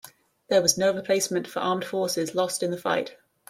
There was no replacement for armed forces lost in the fight.